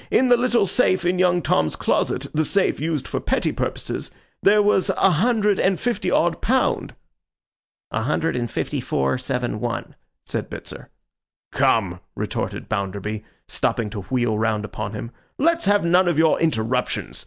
In the little safe in young Tom's closet, the safe used for petty purposes, there was a hundred and fifty odd pound.' 'A hundred and fifty four, seven, one,' said Bitzer. 'Come!' retorted Bounderby, stopping to wheel round upon him, 'let's have none of your interruptions.